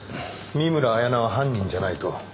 見村彩那は犯人じゃないと？